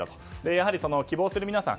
やはり、希望する皆さん